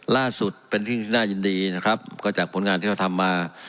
ล่าสุดเป็นที่น่ายินดีนะครับก็จากผลงานที่เราทำมา